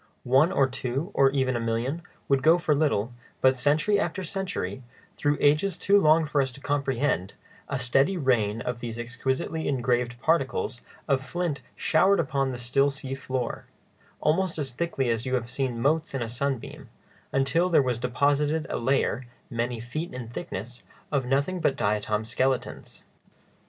One or two, or even a million, would go for little; but century after century, through ages too long for us to comprehend, a steady rain of these exquisitely engraved particles of flint showered down upon the still sea floor, almost as thickly as you have seen motes in a sunbeam, until there was deposited a layer, many feet in thickness, of nothing but diatom skeletons.